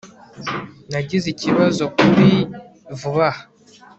nagize ikibazo kuri vuba aha